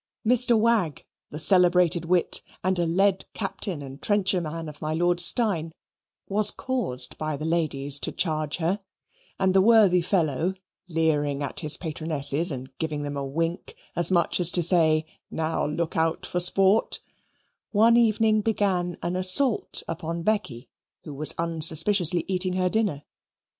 Mr. Wagg, the celebrated wit, and a led captain and trencher man of my Lord Steyne, was caused by the ladies to charge her; and the worthy fellow, leering at his patronesses and giving them a wink, as much as to say, "Now look out for sport," one evening began an assault upon Becky, who was unsuspiciously eating her dinner.